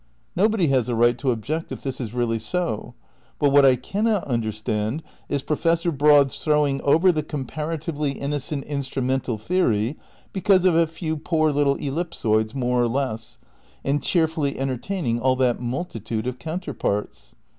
Nobody has a right to object if this really is so. But what I cannot understand is Professor Broad's throwing over the comparatively innocent instrumental theory because of a few poor little ellipsoids more or less, and cheerfully entertain ing all that multitude of counterparts.